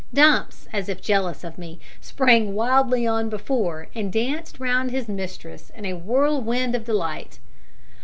Dumps, as if jealous of me, sprang wildly on before, and danced round his mistress in a whirlwind of delight.